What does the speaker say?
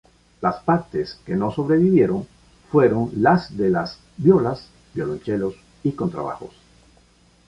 Las partes que no sobrevivieron fueron las de las violas, violonchelos y contrabajos.